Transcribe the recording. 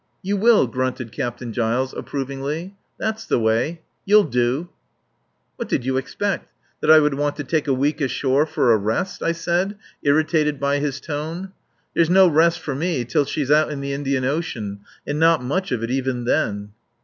"You will," grunted Captain Giles approvingly, "that's the way. You'll do." "What did you think? That I would want to take a week ashore for a rest?" I said, irritated by his tone. "There's no rest for me till she's out in the Indian Ocean and not much of it even then."